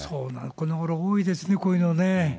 このごろ多いですね、こういうのね。